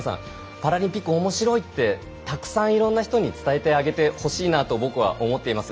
パラリンピックおもしろいってたくさんいろんな人に伝えてあげてほしいなと僕は思っています。